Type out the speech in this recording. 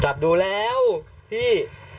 กลับดูแล้วพี่